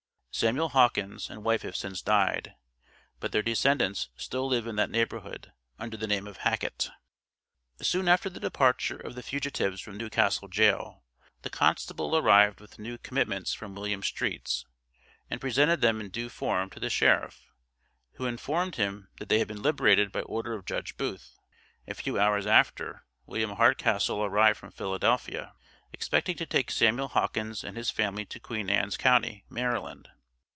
Samuel Hawkins and wife have since died, but their descendants still live in that neighborhood, under the name of Hackett. Soon after the departure of the fugitives from New Castle jail, the constable arrived with new commitments from William Streets, and presented them in due form to the sheriff; who informed him that they had been liberated by order of Judge Booth! A few hours after, William Hardcastle arrived from Philadelphia, expecting to take Samuel Hawkins and his family to Queen Ann's county, Maryland.